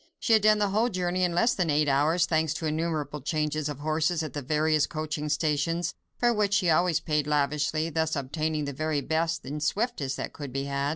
She had done the whole journey in less than eight hours, thanks to innumerable changes of horses at the various coaching stations, for which she always paid lavishly, thus obtaining the very best and swiftest that could be had.